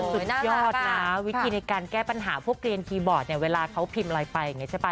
สุดยอดนะวิธีในการแก้ปัญหาพวกเกลียนคีย์บอร์ดเนี่ยเวลาเขาพิมพ์อะไรไปอย่างนี้ใช่ป่